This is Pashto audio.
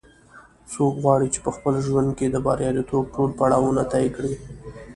څوک غواړي چې په خپل ژوند کې د بریالیتوب ټول پړاوونه طې کړي